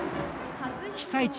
被災地